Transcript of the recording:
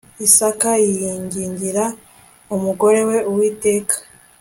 isaka yingingira umugore we uwiteka